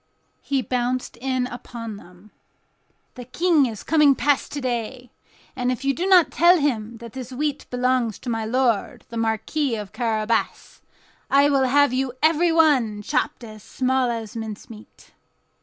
He bounced in upon them: "The King is coming past to day, and if you do not tell him that this wheat belongs to my lord the Marquis of Carabas, I will have you everyone chopped as small as mincemeat."